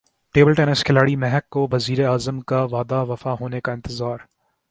table tennis کھلاڑی مہک کو وزیراعظم کا وعدہ وفا ہونے کا انتظار